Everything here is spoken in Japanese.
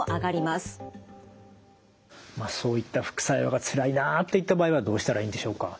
まあそういった副作用がつらいなといった場合はどうしたらいいんでしょうか？